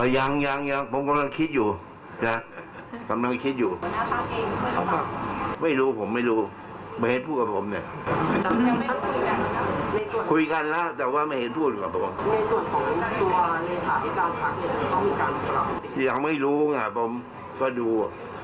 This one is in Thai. ยังไม่รู้ค่ะผมก็ดู